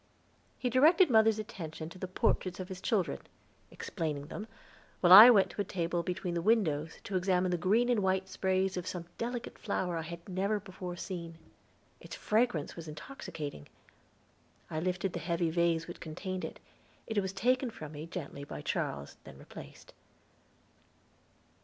He directed mother's attention to the portraits of his children, explaining them, while I went to a table between the windows to examine the green and white sprays of some delicate flower I had never before seen. Its fragrance was intoxicating. I lifted the heavy vase which contained it; it was taken from me gently by Charles, and replaced.